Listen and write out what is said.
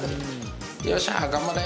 よっしゃ頑張れ。